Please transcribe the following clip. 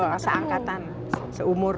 iya seangkatan seumur